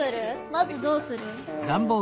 まずどうする？